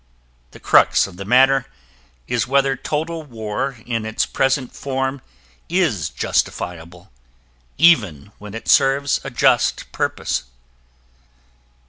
The crux of the matter is whether total war in its present form is justifiable, even when it serves a just purpose.